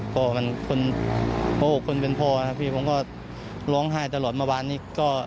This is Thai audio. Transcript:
เพราะมันโผล่๖คนเป็นพอพี่ผมก็ร้องไห้ตลอดเมื่อวานนี้